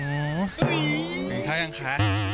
เห็นแท่หรือยังคะ